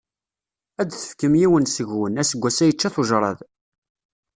Ad tefkem yiwen seg-wen, aseggas-a yečča-t ujrad.